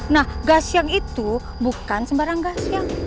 nah gas yang itu bukan sembarang gas yang